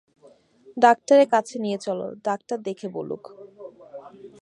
ডাক্তারের কাছে নিয়ে চলো, ডাক্তার দেখে বলুক।